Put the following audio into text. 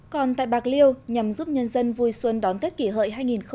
còn tại bạc liêu nhằm giúp nhân dân vui xuân đón tết kỷ hợi hai nghìn một mươi chín